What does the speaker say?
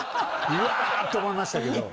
うわって思いましたけど。